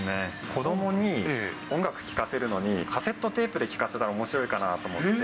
子どもに音楽聴かせるのにカセットテープで聴かせたらおもしろいかなと思って。